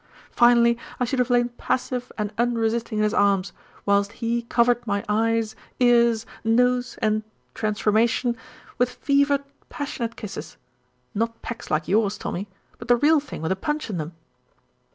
Finally I should have lain passive and unresisting in his arms, whilst he covered my eyes, ears, nose and 'transformation' with fevered, passionate kisses; not pecks like yours, Tommy; but the real thing with a punch in them."